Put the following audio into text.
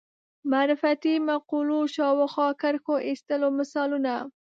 معرفتي مقولو شاوخوا کرښو ایستلو مثالونه